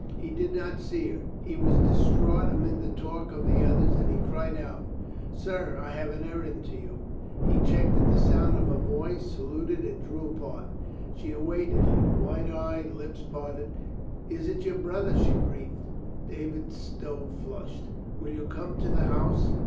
He did not see her; he was distraught amid the talk of the others, and she cried out : "Sir, I have an errand to you." He checked at the sound of her voice, saluted and drew apart. She awaited him, wide eyed, lips parted. "Is it your brother?" she breathed. David Stow flushed. "Will you come to the house?"